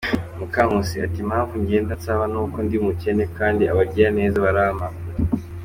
Mukankusi ati “Impamvu ngenda nsaba ni uko ndi umukene, kandi abagira neza barampa.